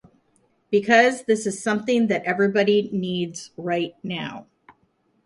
Because this is something that everybody needs right now.